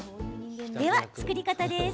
では、作り方です。